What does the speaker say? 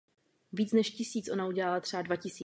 Využívání služby je však velmi nízké.